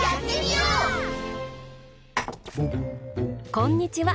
こんにちは。